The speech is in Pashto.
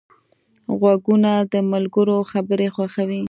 غوږونه د ملګرو خبرې خوښوي